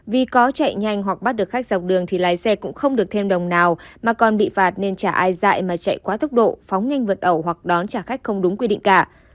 vì có chạy nhanh hoặc bắt được khách dọc đường thì lái xe cũng không được thêm đồng nào mà còn bị phạt nên trả ai dại mà chạy quá tốc độ phóng nhanh vượt ẩu hoặc đón trả khách không đúng quy định cả